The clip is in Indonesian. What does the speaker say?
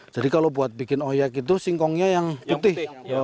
jadi kalau buat bikin oyk itu singkongnya yang putih